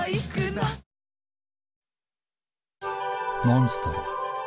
モンストロ。